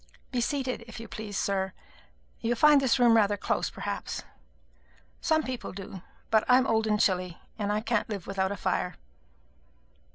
Be seated, if you please, sir. You find this room rather close, perhaps. Some people do; but I'm old and chilly, and I can't live without a fire."